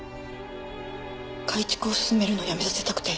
改築を勧めるのやめさせたくて。